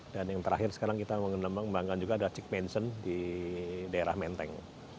dan yang terakhir sekarang kita mengembangkan juga ada cik mansion di daerah menteng